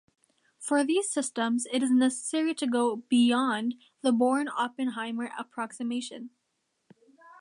For these systems, it is necessary to go "beyond" the Born-Oppenheimer approximation.